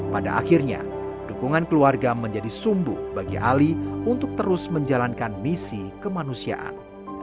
pada akhirnya dukungan keluarga menjadi sumbu bagi ali untuk terus menjalankan misi kemanusiaan